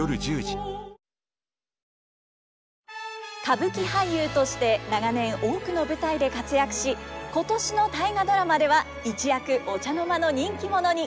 歌舞伎俳優として長年多くの舞台で活躍し今年の「大河ドラマ」では一躍お茶の間の人気者に。